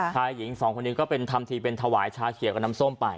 ชายหญิงสองคนนี้ก็เป็นทำทีเป็นถวายชาเขียวกับน้ำส้มไป